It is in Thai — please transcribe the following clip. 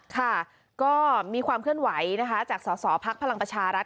ค่ะก็มีความเคลื่อนไหวจากส่อภักดิ์พลังประชารัฐ